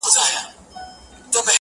رنځ یې تللی له هډونو تر رګونو-